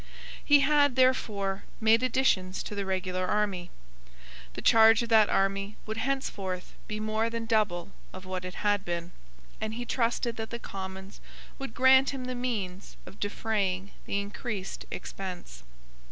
He had, therefore, made additions to the regular army. The charge of that army would henceforth be more than double of what it had been; and he trusted that the Commons would grant him the means of defraying the increased expense.